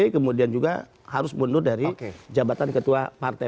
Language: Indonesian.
kemudian juga harus mundur dari jabatan ketua partai